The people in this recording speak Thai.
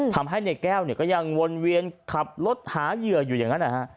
ทำให้ในแก้วเนี่ยก็ยังวนเวียนขับรถหาเหยื่ออยู่อย่างนั้นนะฮะ